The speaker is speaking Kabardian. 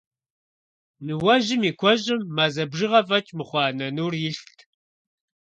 Ныуэжьым и куэщӀым мазэ бжыгъэ фӀэкӀ мыхъуа нэнур илът.